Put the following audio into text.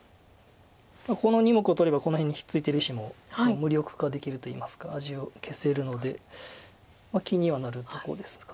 この２目を取ればこの辺に引っついてる石も無力化できるといいますか味を消せるのでまあ気にはなるとこですか。